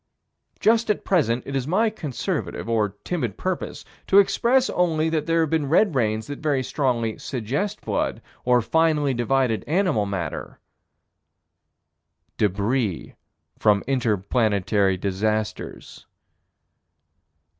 Just at present, it is my conservative, or timid purpose, to express only that there have been red rains that very strongly suggest blood or finely divided animal matter Débris from inter planetary disasters.